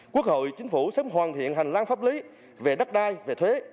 quốc hội chính phủ sớm hoàn thiện hành lang pháp lý về đất đai về thuế